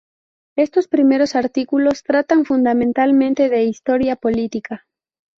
Estos primeros artículos tratan fundamentalmente de historia política.